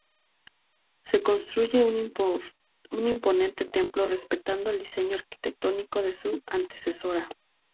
Se construye un imponente templo, respetando el diseño arquitectónico de su antecesora.